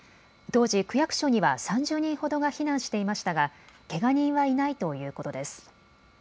当時、区役所には３０人ほどが避難していましたがけが人はいないということです。